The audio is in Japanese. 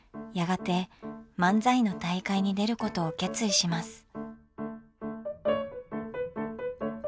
やがて漫才の大会に出ることを決意します。